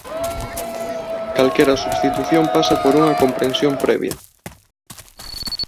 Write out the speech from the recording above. Calquera substitución pasa por unha comprensión previa.